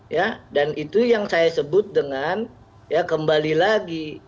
ya dan itu yang saya sebut dengan ya kembali lagi